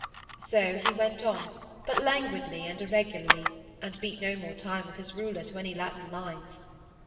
So he went on, but languidly and irregularly, and beat no more time with his ruler to any Latin lines.